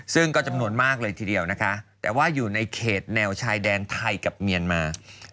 ซึ่งก็จำนวนมากเลยทีเดียวนะคะแต่ว่าอยู่ในเขตแนวชายแดนไทยกับเมียนมา